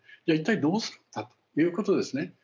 じゃあ一体どうするんだということですね。